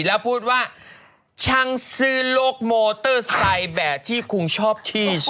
แล้วพูดว่าช่างซืลกมอเตอร์ไซด์แบบที่ฝึกชอบที่สุด